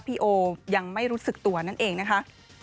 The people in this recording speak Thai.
พี่โอยังไม่รู้สึกตัวนั่นเองนะคะ